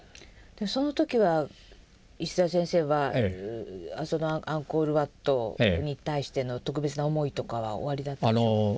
その時は石澤先生はそのアンコール・ワットに対しての特別な思いとかはおありだったんでしょうか？